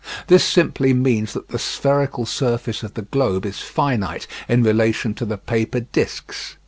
This simply means that the spherical surface of the globe is finite in relation to the paper discs.